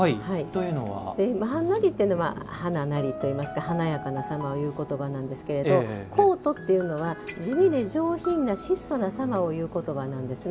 「はんなり」というのは花なりといいますか華やかな様を言う言葉なんですけど「こうと」っていうのは地味で上品な質素な様をいう言葉なんですね。